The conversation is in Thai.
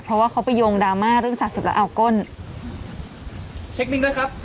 เพราะว่าเขาไปโยงดราม่าเรื่องสาสุขแล้วเอาก้นเช็คบินด้วยครับ